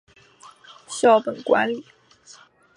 惠侨英文中学一直实行全方位的校本管理。